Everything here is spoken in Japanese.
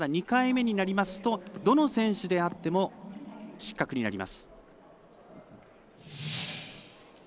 ２回目になりますとどの選手であっても失格になります。